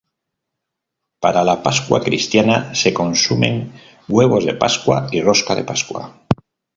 Para la Pascua cristiana se consumen huevos de pascua y rosca de pascua.